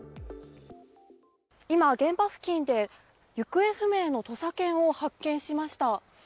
今、現場付近で行方不明の土佐犬を発見しました。